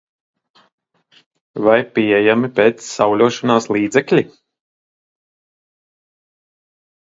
Vai pieejami pēc sauļošanās līdzekļi?